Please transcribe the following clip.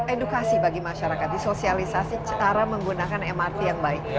edukasi bagi masyarakat disosialisasi cara menggunakan mrt yang baik